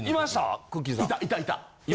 いたいた。